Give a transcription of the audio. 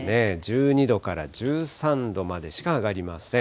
１２度から１３度までしか上がりません。